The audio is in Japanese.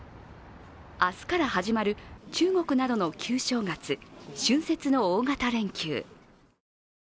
明日から始まる中国などの旧正月、春節の大型連休。